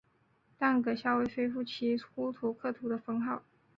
但噶厦未恢复其呼图克图封号。